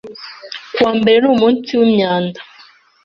Ku wa mbere ni umunsi w'imyanda.